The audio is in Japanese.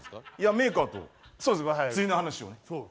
メーカーと釣りの話をね。